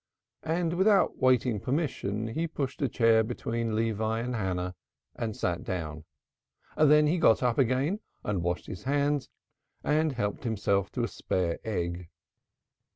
Without awaiting permission he pushed a chair between Levi and Hannah and sat down; then he got up again and washed his hands and helped himself to a spare egg.